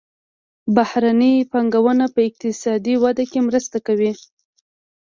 بهرنۍ پانګونه په اقتصادي وده کې مرسته کوي.